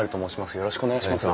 よろしくお願いします。